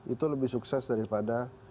itu lebih sukses daripada